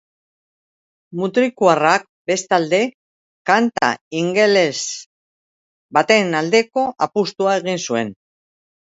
Mutrikuarrak, bestalde, kanta ingeles baten aldeko apustua egin zuen.